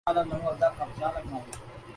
وہیں رہتی ہے۔